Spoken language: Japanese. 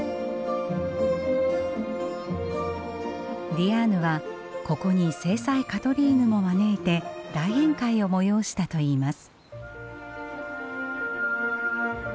ディアーヌはここに正妻カトリーヌも招いて大宴会を催したといいます。